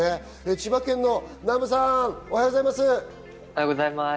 千葉県の南部さん、おはようございます。